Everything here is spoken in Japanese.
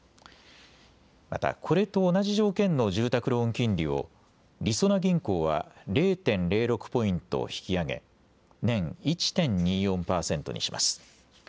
また、これと同じ条件の住宅ローン金利をりそな銀行は０．０６ポイント引き上げ、年１．２４％にします。